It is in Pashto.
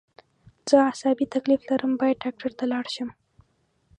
زه عصابي تکلیف لرم باید ډاکټر ته لاړ شم